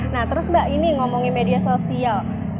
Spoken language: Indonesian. nah terus mbak ini ngomongin media sosial